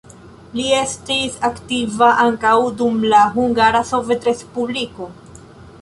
Li estis aktiva ankaŭ dum la Hungara Sovetrespubliko.